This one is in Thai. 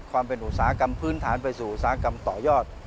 ความเป็นอุตสาหกรรมพื้นฐานไปสู่อุตสาหกรรมต่อยอด